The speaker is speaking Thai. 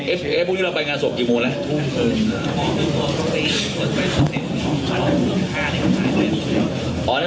เอเคฟพรุ่งนี้เรามองานสกวันกี่โมงแหละ